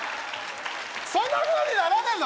そんなふうにならねえんだ